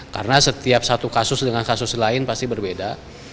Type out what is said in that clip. karena setiap satu kasus dengan kasus lain pasti berbeda